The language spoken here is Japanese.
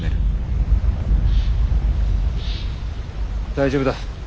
大丈夫だ。